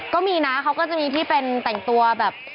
ก็มีนะเขาก็จะมีที่เป็นแต่งตัวแบบ